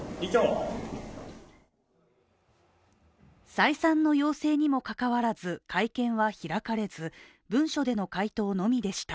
再三の要請にもかかわらず会見は開かれず文書での回答のみでした。